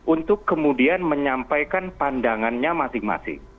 untuk kemudian menyampaikan pandangannya masing masing